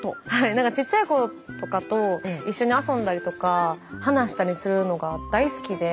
何かちっちゃい子とかと一緒に遊んだりとか話したりするのが大好きでもともと。